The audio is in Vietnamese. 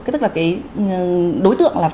tức là cái đối tượng là cơ sở